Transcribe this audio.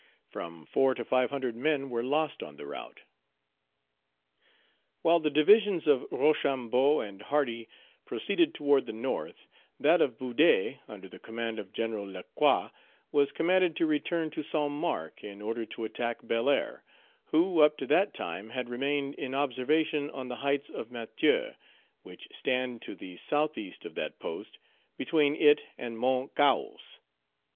From four to five hundred men were lost on the route. While the divisions of Rochambeau and Hardy proceeded toward the North, that of Boudet, under the command of General Lacroix, was commanded to return to Saint Marc in order to attack Belair, who up to that time had remained in observation Page 201 on the heights of Matheux, which stand to the southeast of that post, between it and Mount Cahos.